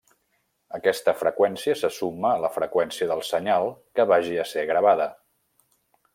Aquesta freqüència se suma a la freqüència del senyal que vagi a ser gravada.